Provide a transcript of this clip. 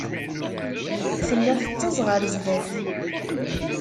Tella tettaẓ ɣer sdat.